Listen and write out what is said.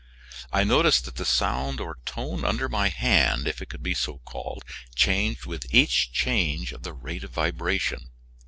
I noticed that the sound or tone under my hand, if it could be so called, changed with each change of the rate of vibration.